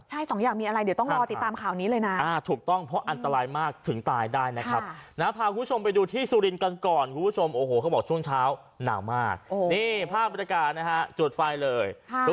ใช่๒อย่างมีอะไรเดี๋ยวต้องรอติดตามข่าวนี้เลยนะ